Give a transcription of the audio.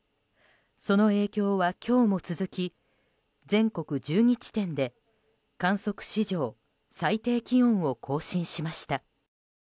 その影響は今日も続き全国１２地点で観測史上最低気温を更新しました。